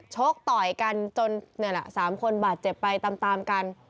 โชคต่อยกันจนนี่แหละ๓คนบาดเจ็บไปตามกัน